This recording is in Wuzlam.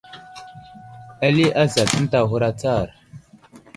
Ali azat ənta aghur atsar.